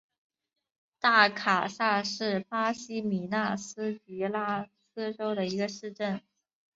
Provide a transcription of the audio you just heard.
大卡萨是巴西米纳斯吉拉斯州的一个市镇。